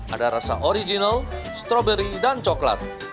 ada rasa original strawberry dan coklat